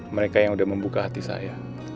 mereka yang sudah membuka hati saya